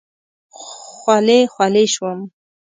خولې خولې شوم.